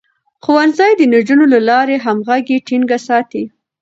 ښوونځی د نجونو له لارې همغږي ټينګه ساتي.